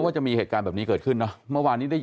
ว่าจะมีเหตุการณ์แบบนี้เกิดขึ้นนะ